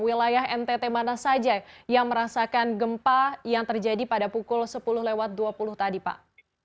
wilayah ntt mana saja yang merasakan gempa yang terjadi pada pukul sepuluh lewat dua puluh tadi pak